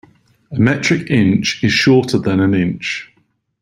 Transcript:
A metric inch is shorter than an inch.